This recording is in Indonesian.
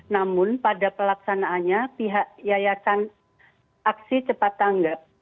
namun pada pelaksanaannya pihak yayasan aksi cepat tanggap